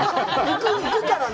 浮くからね。